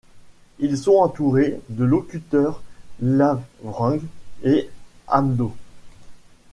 Ils sont entourés de locuteurs lavrung et amdo.